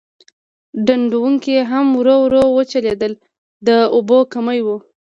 ډنډونکي هم ورو ورو وچېدل د اوبو کمی و.